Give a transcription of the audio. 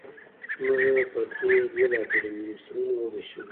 موږ یې پر درې بېلابېلو مېلمستونونو ووېشل.